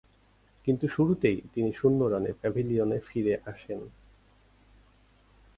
কিন্তু শুরুতেই তিনি শূন্য রানে প্যাভিলিয়নে ফিরে আসেন।